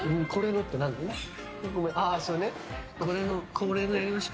恒例の、やりましょ。